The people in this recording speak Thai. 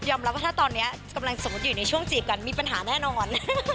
รับว่าถ้าตอนนี้กำลังสมมุติอยู่ในช่วงจีบกันมีปัญหาแน่นอน